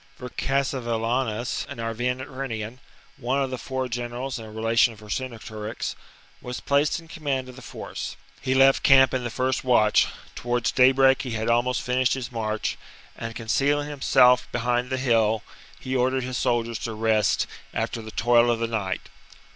Vercassivellaunus, an Arvernian, one of the four generals and a relation of Vercingetorix, was placed in command of the force. He left camp in the first watch : towards daybreak he had almost finished his march ; and, concealing himself VII OF VERCINGETORIX 273 behind the hill, he ordered his soldiers to rest after 52 b.c. the toil of the night.